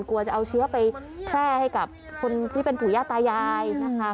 กลัวจะเอาเชื้อไปแพร่ให้กับคนที่เป็นปู่ย่าตายายนะคะ